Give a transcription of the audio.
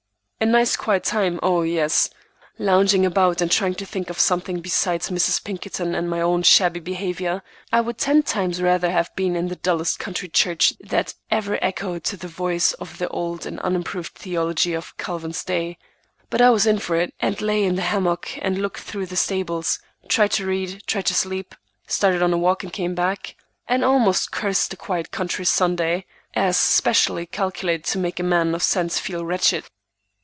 A nice quiet time! Oh, yes; lounging about and trying to think of something besides Mrs. Pinkerton and my own shabby behavior. I would ten times rather have been in the dullest country church that ever echoed to the voice of the old and unimproved theology of Calvin's day. But I was in for it, and lay in the hammock and looked through the stables, tried to read, tried to sleep, started on a walk and came back, and almost cursed the quiet country Sunday, as specially calculated to make a man of sense feel wretched.